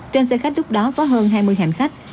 trên xe khách lúc đó có hơn hai mươi hành khách